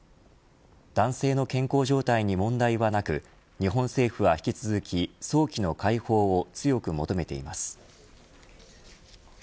男性の健康状態に問題はなく日本政府は引き続き、早期の解放を強く求めています。